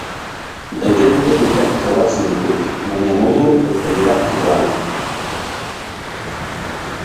Dauden teknikak probatzen ditut, baina modu autodidaktikoan.